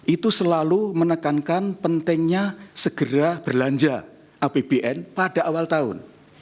itu selalu menekankan pentingnya segera belanja apbn pada awal tahun